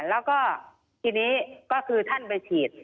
แล้วก็ทีนี้ก็คือท่านไปฉีด